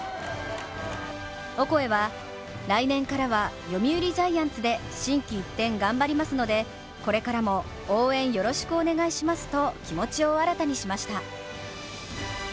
オコエは来年からは読売ジャイアンツで心機一転頑張りますのでこれからも応援よろしくお願いしますと気持ちを新たにしました。